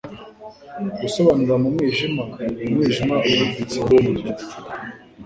gusobanura mu mwijima, umwijima ubuditse nk'uwo mu gicuku